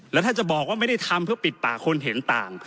แล้วถ้าจะบอกว่าไม่ได้ทำเพื่อปิดปากคนเห็นต่าง